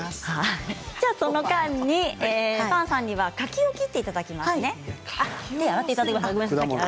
その間にパンさんには柿を切っていただきますね。